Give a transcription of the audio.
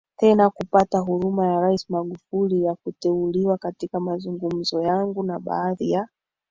tena kupata huruma ya Rais Magufuli ya kuteuliwaKatika mazungumzo yangu na baadhi ya